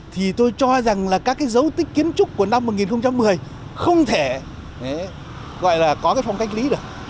thì tôi cho rằng là các dấu tích kiến trúc của năm một nghìn một mươi không thể gọi là có phong cách lý được